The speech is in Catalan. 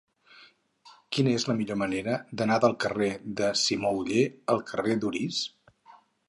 Quina és la millor manera d'anar del carrer de Simó Oller al carrer d'Orís?